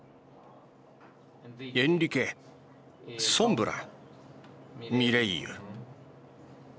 エンリケソンブラミレイユ。